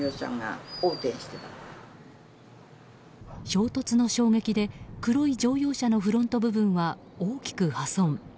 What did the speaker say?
衝突の衝撃で、黒い乗用車のフロント部分は大きく破損。